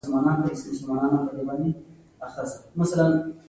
هغه د خپلو خوبونو پر مټ مثبت کارونه وکړل